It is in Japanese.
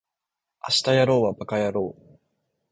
明日やろうはバカやろう